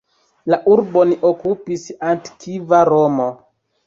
La urbon okupis antikva Romo.